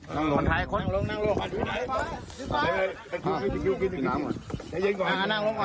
เผื่อยเผื่อยมาแล้วเนี้ยคุณแข็งแรงไว้ตัวผิดเลย